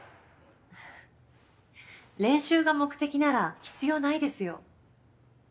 練習が目的なら必要ないですよ。